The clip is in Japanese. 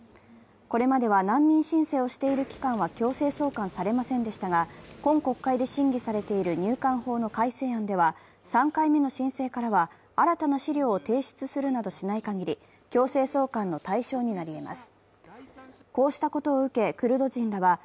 これまでは難民申請をしている期間は強制送還されませんでしたが、今国会で審議されている入管法の改正案では３回目の申請からは新たな資料を提出するなどしないかぎり、強制送還の対象になりえます。